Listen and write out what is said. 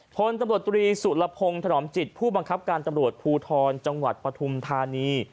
พลตำรวจตรีสุรพงศ์ถนอมจิตผู้บังคับการตำรวจภูทรจังหวัดปฐุมธานี